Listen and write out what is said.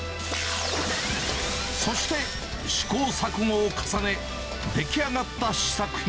そして、試行錯誤を重ね、出来上がった試作品。